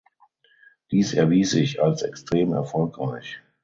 Dies erwies sich als extrem erfolgreich.